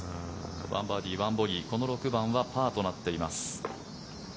１バーディー１ボギーこの６番はパーとなっています。